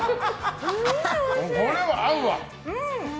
これは合うわ！